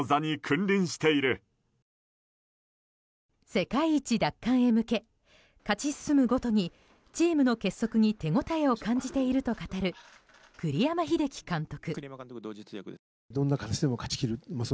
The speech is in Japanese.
世界一奪還へ向け勝ち進むごとにチームの結束に手応えを感じていると語る栗山英樹監督。